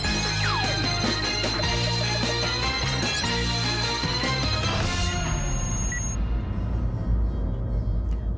สวัสดีครับคุณผู้ชมอาจารย์สวัสดีครับ